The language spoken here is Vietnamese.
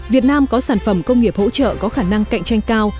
việt nam có sản phẩm công nghiệp hỗ trợ có khả năng cạnh tranh cao